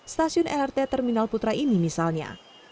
stasiun lrt terminal putra ini misalnya